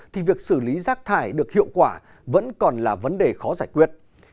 thì việc xử lý rác thải được hiệu quả vẫn còn là vấn đề khó giải quyết